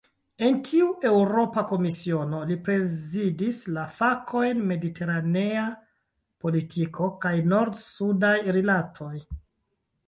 En tiu Eŭropa Komisiono, li prezidis la fakojn "mediteranea politiko kaj nord-sudaj rilatoj".